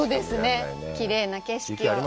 きれいな景色を。